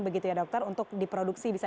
begitu ya dokter untuk diproduksi bisa